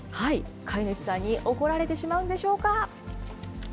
飼い主さんに怒られてしまうんでしょうか。